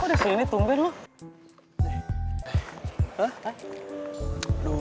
kok udah sini tumben loh